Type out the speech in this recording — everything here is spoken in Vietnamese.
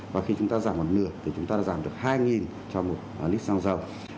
và khi chúng ta giảm một nửa thì chúng ta đã giảm được hai cho một lít xăng dầu